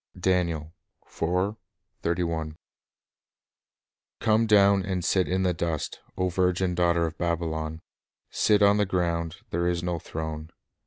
3 "Come down, and sit in the dust, O virgin daughter of Babylon, Sit on the ground ; there is no throne.